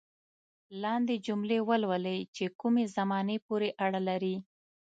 لاندې جملې ولولئ چې کومې زمانې پورې اړه لري.